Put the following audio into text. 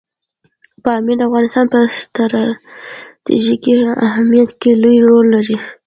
پامیر د افغانستان په ستراتیژیک اهمیت کې لوی رول لري.